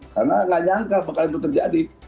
karena tidak nyangka akan terjadi